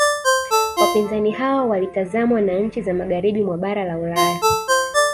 Wapinzani hao walitazamwa na nchi za magharibi mwa bara la Ulaya